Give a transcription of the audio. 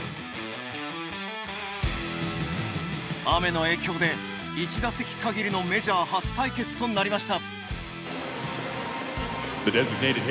雨の影響で１打席限りのメジャー初対決となりました。